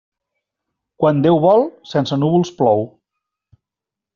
Quan Déu vol, sense núvols plou.